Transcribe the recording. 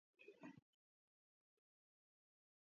გზა ყველასია